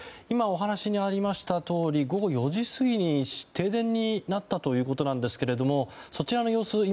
今、お話にありましたとおり午後４時過ぎに停電になったということなんですけれどもそちらの様子